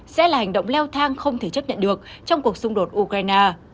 sẽ là hành động leo thang không thể chấp nhận được trong cuộc xung đột ukraine